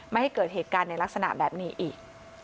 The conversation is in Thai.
ไม่ให้เกิดเหตุการณ์ในลักษณะแบบนี้อีก